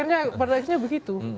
ya pada akhirnya begitu